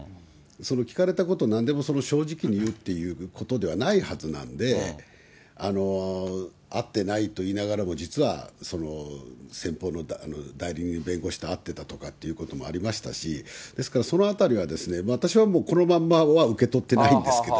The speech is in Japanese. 聞かれたことをなんでも正直に言うっていうことではないはずなんで、会ってないと言いながらも、実は先方の代理人弁護士と会ってたということもありましたし、ですから、そのあたりは、私はこのまんまは受け取ってないんですけど。